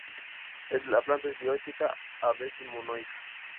La planta es dioica, a veces monoica.